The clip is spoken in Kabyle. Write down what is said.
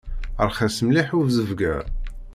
Rxis mliḥ uzebg-a.